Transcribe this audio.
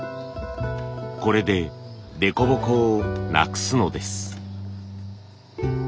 これで凸凹をなくすのです。